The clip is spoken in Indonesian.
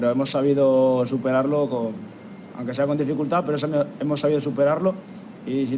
tapi kita bisa mengelaknya walaupun dengan kesulitan tapi kita bisa mengelaknya